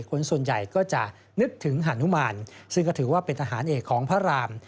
คนส่วนใหญ่ก็จะนึกถึงหานุมานซึ่งก็ถือว่าเป็นทหารเอกของพระราม